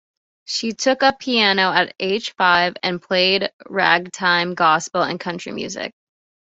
She took up piano at age five, and played ragtime, gospel, and country music.